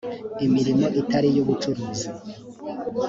imirimo itari iy ubucuruzi